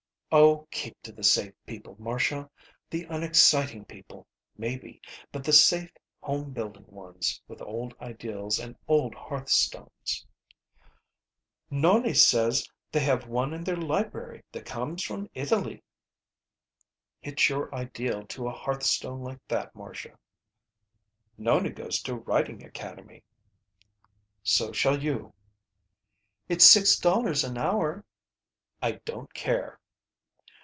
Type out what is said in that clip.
"Oh, keep to the safe people, Marcia! The unexciting people, maybe, but the safe home building ones with old ideals and old hearthstones." "Nonie says they have one in their library that comes from Italy." "Hitch your ideal to a hearthstone like that, Marcia." "Nonie goes to riding academy." "So shall you." "It's six dollars an hour." "I don't care."